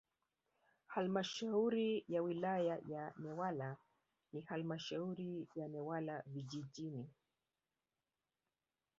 Halmashauri ya wilaya ya Newala na Halmashauri ya Newala vijijini